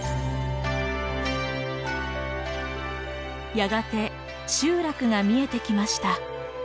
やがて集落が見えてきました。